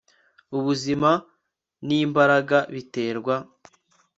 ubuzima n'imbaraga biterwa